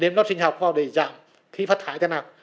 đếm lót sinh học vào để giảm khí phát thải thế nào